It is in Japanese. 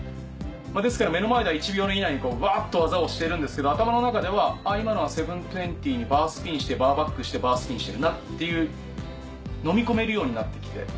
ですから目の前では１秒以内にわっと技をしてるんですけど頭の中では今のは７２０にバースピンしてバーバックしてバースピンしてるなっていうのみ込めるようになって来て。